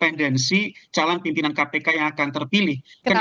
jadi saya berpikir apakah pemerintah itu akan terpilih